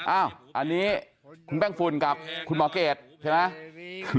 อันนี้คุณแป้งฝุ่นกับคุณหมอเกรดใช่ไหม